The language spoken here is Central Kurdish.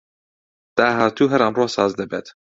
داهاتوو هەر ئەمڕۆ ساز دەبێت